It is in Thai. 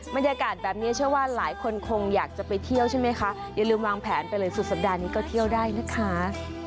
บรรยากาศแบบนี้เชื่อว่าหลายคนคงอยากจะไปเที่ยวใช่ไหมคะอย่าลืมวางแผนไปเลยสุดสัปดาห์นี้ก็เที่ยวได้นะคะ